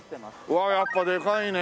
わあやっぱでかいね。